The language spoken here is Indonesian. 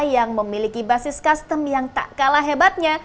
yang memiliki basis custom yang tak kalah hebatnya